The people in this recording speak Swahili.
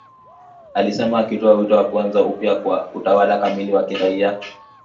alisema akitoa wito wa kuanza upya kwa utawala kamili wa kiraia”